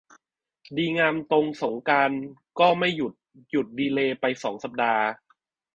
ดีงามตรงสงกรานต์ก็ไม่หยุด หยุดดีเลย์ไปสองสัปดาห์